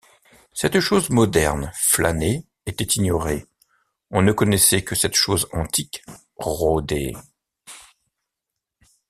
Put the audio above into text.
Cette chose moderne, flâner, était ignorée ; on ne connaissait que cette chose antique, rôder.